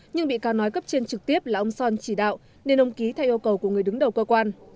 nhưng bị cáo nói cấp trên trực tiếp là ông son chỉ đạo nên ông ký thay yêu cầu của người đứng đầu cơ quan